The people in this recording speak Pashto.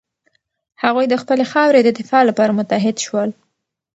هغوی د خپلې خاورې د دفاع لپاره متحد شول.